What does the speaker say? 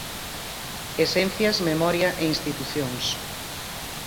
Esencias, memoria e institucións.